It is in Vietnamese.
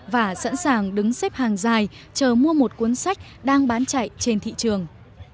và sẵn sàng đứng xếp hàng dài chờ mua một cuốn sách đang bán chạy trên thị trường